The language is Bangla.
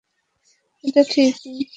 এটা ঠিক, তুমি চুষো।